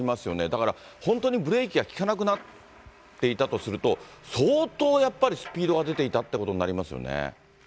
だから本当にブレーキが利かなくなっていたとすると、相当やっぱりスピードが出ていたということになりますよね。